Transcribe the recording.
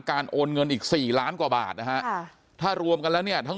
โอนเงินอีกสี่ล้านกว่าบาทนะฮะถ้ารวมกันแล้วเนี่ยทั้ง